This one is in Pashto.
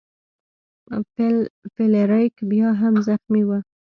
فلیریک بیا هم زخمی و.